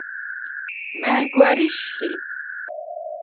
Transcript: მა̈ჲ გვა̈რიშ ხი?